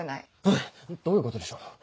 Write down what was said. うん！どういうことでしょう？